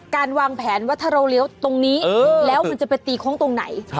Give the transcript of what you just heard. การวางแผนว่าถ้าเราเลี้ยวตรงนี้แล้วมันจะไปตีโค้งตรงไหน